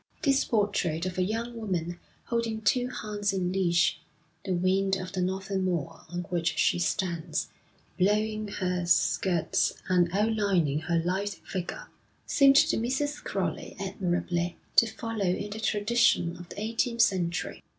This portrait of a young woman holding two hounds in leash, the wind of the northern moor on which she stands, blowing her skirts and outlining her lithe figure, seemed to Mrs. Crowley admirably to follow in the tradition of the eighteenth century.